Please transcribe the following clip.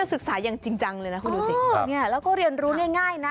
ศึกษาอย่างจริงจังเลยนะคุณดูสิเนี่ยแล้วก็เรียนรู้ง่ายนะ